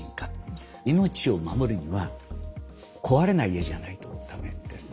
命を守るには壊れない家じゃないと駄目ですね。